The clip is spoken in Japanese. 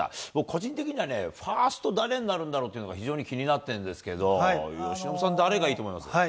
個人的にはね、ファースト誰になるんだろうっていうのが非常に気になってるんですけど、由伸さん、誰がいいと思います？